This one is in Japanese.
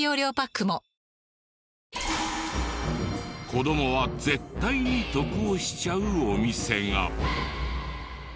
子どもは絶対に得をしちゃうお店が。